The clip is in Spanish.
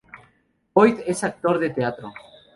Boyd es actor de teatro.